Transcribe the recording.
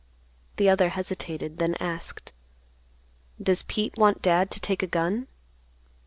The other hesitated, then asked, "Does Pete want Dad to take a gun?"